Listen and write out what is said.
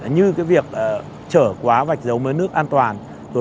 như cái việc chở quá vạch dấu mớ nước an toàn giao thông